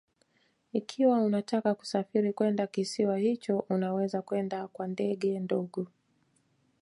Ikiwa unataka kusafiri kwenda kisiwa hicho unaweza kwenda kwa ndege ndogo